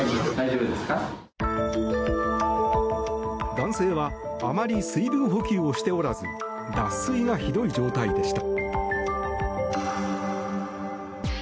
男性はあまり水分補給をしておらず脱水がひどい状態でした。